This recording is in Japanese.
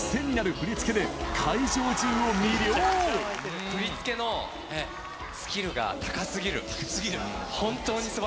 振り付けのスキルが高すぎる。